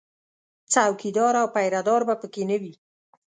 څوکیدار او پیره دار به په کې نه وي